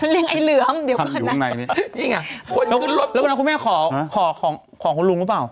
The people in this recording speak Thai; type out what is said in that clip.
ลบลบน้าครูแม่ขอขอของคุณลุงรึเปล่า